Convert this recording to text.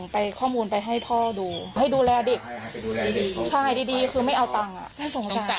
เพราะพ่อแม่ดูแลยังไง